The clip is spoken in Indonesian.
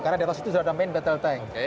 karena di atas itu sudah ada main battle tank